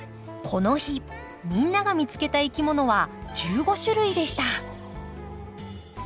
この日みんなが見つけたいきものは１５種類でした。